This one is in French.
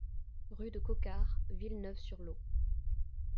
Rue de Coquard, Villeneuve-sur-Lot